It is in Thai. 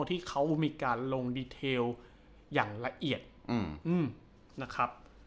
ที่เขามีการลงดีเทลอย่างละเอียดนะครับ